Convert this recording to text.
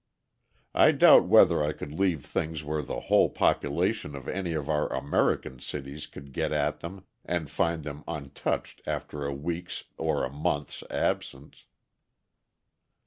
I doubt whether I could leave things where the whole population of any of our American cities could get at them and find them untouched after a week's or a month's absence.